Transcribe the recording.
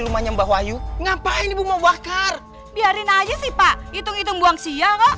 rumahnya mbah wahyu ngapain ibu mau bakar biarin aja sih pak itung itung buang siang